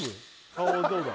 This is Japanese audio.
顔どうだ？